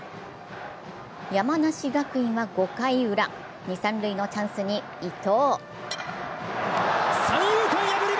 山梨学院は５回ウラ、二・三塁のチャンスに伊藤。